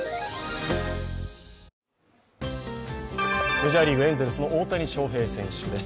メジャーリーグ、エンゼルスの大谷翔平選手です。